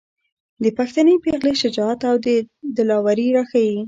د پښتنې پېغلې شجاعت او دلاوري راښايي.